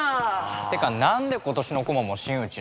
てか何で今年の顧問も新内なの？